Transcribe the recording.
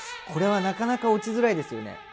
これはなかなか落ちづらいですよね。